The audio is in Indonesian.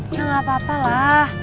ya nggak apa apa lah